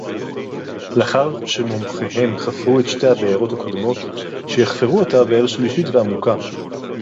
לְאַחַר שֶׁמֻּמְחֵיהֶם חָפְרוּ אֶת שְׁתֵּי הַבְּאֵרוֹת הַקּוֹדְמוֹת, שֶׁיַחְפְּרוּ עַתָּה בְּאֵר שְׁלִישִׁית וַעֲמֻקָּה.